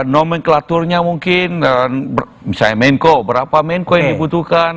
nomenklaturnya mungkin misalnya menko berapa menko yang dibutuhkan